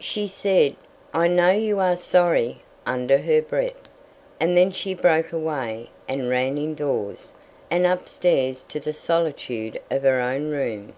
She said, "I know you are sorry," under her breath, and then she broke away, and ran indoors, and upstairs to the solitude of her own room.